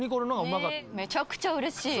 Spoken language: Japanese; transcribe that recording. めちゃくちゃ嬉しい。